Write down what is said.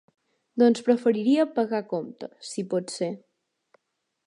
Doncs preferiria pagar a compte, si pot ser?